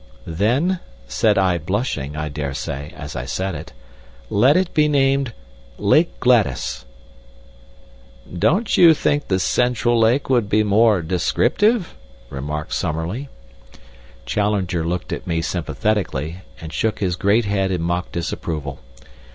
"Then," said I, blushing, I dare say, as I said it, "let it be named Lake Gladys." "Don't you think the Central Lake would be more descriptive?" remarked Summerlee. "I should prefer Lake Gladys." Challenger looked at me sympathetically, and shook his great head in mock disapproval.